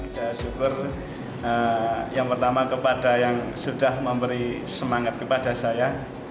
saya syukur yang pertama kepada yang sudah memberi semangat kepada saya